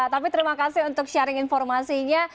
tapi terima kasih untuk sharing informasinya